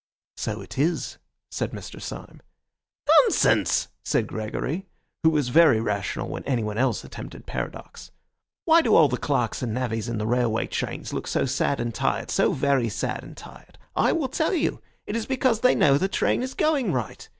"So it is," said Mr. Syme. "Nonsense!" said Gregory, who was very rational when anyone else attempted paradox. "Why do all the clerks and navvies in the railway trains look so sad and tired, so very sad and tired? I will tell you. It is because they know that the train is going right.